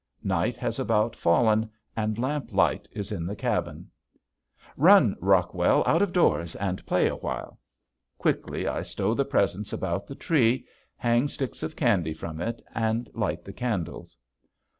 Night has about fallen and lamp light is in the cabin. "Run, Rockwell, out of doors and play awhile." Quickly I stow the presents about the tree, hang sticks of candy from it, and light the candles.